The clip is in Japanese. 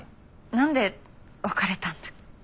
なんで別れたんだっけ？